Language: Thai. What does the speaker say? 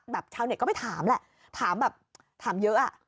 ชาวเน็ตก็ไปถามแหละถามแบบถามเยอะอ่ะ